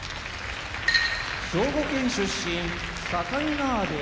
兵庫県出身境川部屋